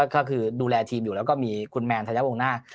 ก็คือดูแลทีมอยู่แล้วก็มีคุณแมนธัญวงหน้า